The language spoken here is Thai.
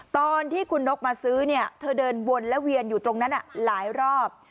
ตอนที่คุณนกมาซื้อเนี่ยเธอเดินวนและเวียนอยู่ตรงนั้นหลายรอบ